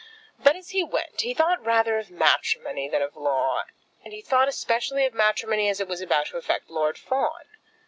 But, as he went, he thought rather of matrimony than of law; and he thought especially of matrimony as it was about to affect Lord Fawn.